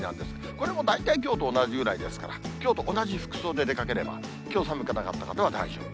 これも大体、きょうと同じぐらいですから、きょうと同じ服装で出かければ、きょう寒くなかった方は大丈夫。